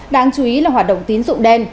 đáng chú ý là hoạt động tín dụng đen